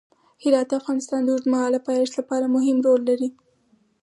هرات د افغانستان د اوږدمهاله پایښت لپاره مهم رول لري.